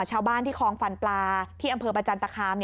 ชาวบ้านที่คลองฟันปลาที่อำเภอประจันตคาม